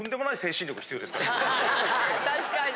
確かに。